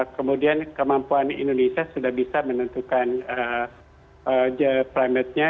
kemudian kemampuan indonesia sudah bisa menentukan primatenya